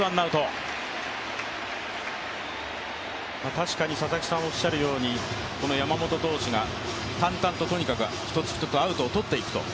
確かに佐々木さんおっしゃるように山本投手が淡々と１つ１つアウトを取っていくと。